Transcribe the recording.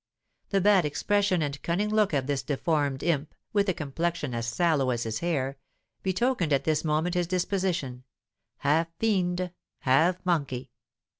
The bad expression and cunning look of this deformed imp, with a complexion as sallow as his hair, betokened at this moment his disposition half fiend, half monkey.